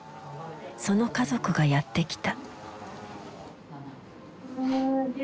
その家族がやって来た。